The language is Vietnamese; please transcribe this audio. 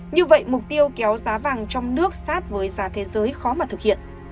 như vậy mục tiêu kéo giá vàng trong nước sát với giá thế giới khó mà thực hiện